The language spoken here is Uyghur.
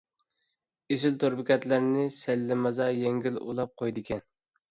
ئېسىل تور بېكەتلەرنى سەللىمازا يەڭگىل ئۇلاپ قويىدىكەن.